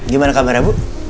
gimana kamera bu